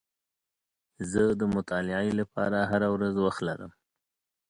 زه د مطالعې لپاره هره ورځ وخت لرم.